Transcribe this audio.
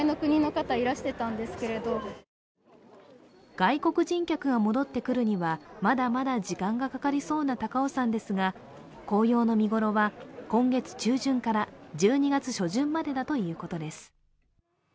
外国人客が戻ってくるにはまだまだ時間がかかりそうな高尾山ですが紅葉の見頃は今月中旬から１２月初旬までだということです。